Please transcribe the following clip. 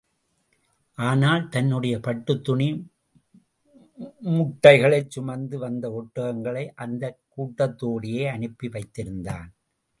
ஆனால், தன்னுடைய பட்டுத் துணி முட்டைகளைச் சுமந்து வந்த ஒட்டகங்களை அந்தக் கூட்டத்தோடேயே அனுப்பி வைத்திருந்தான்.